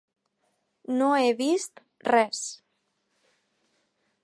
No he vist res.